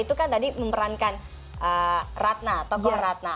itu kan tadi memerankan ratna tokoh ratna